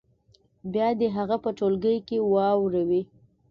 بیا دې هغه په ټولګي کې واوروي.